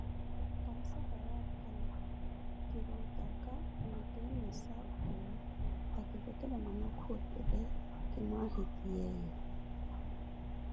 Kansahau aphale, kirutaka onikeemesa opheya akivekele mwanakhu otule ki mwaahitiyeeyo.